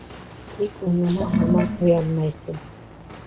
Тик уныһы һаман уянмайсы.